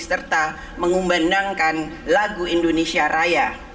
serta mengumbandangkan lagu indonesia raya